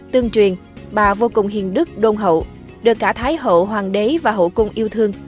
tương truyền bà vô cùng hiền đức đôn hậu được cả thái hậu hoàng đế và hậu cung yêu thương